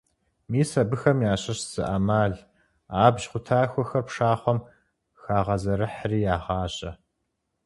Мис абыхэм ящыщ зы Ӏэмал: Абдж къутахуэхэр пшахъуэм хагъэзэрыхьри ягъажьэ.